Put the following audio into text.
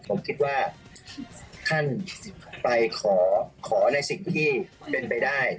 ผมคิดว่าท่านไปขอในสิ่งที่เป็นไปได้